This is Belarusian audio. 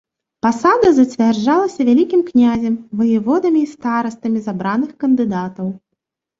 Пасада зацвярджалася вялікім князем, ваяводамі і старостамі з абраных кандыдатаў.